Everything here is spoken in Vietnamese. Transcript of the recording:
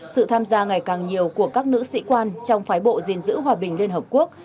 sự tham gia ngày càng nhiều của các nữ sĩ quan trong phái bộ gìn giữ hòa bình liên hợp quốc